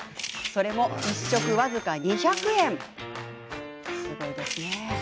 それも１食、僅か２００円。